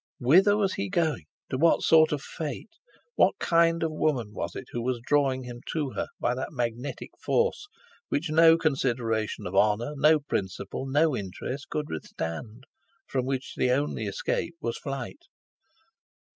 Whither was he going—to what sort of fate? What kind of woman was it who was drawing him to her by that magnetic force which no consideration of honour, no principle, no interest could withstand; from which the only escape was flight.